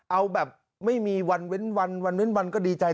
เอาแบบไม่มีวันเว้นวันก็ดีใจ